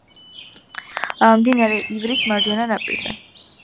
მდინარე ივრის მარჯვენა ნაპირზე.